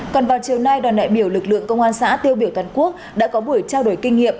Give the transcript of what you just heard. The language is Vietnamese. còn vào chiều nay đoàn đại biểu lực lượng công an xã tiêu biểu toàn quốc đã có buổi trao đổi kinh nghiệm